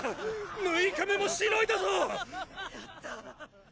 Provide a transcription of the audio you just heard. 六日目もしのいだぞォ！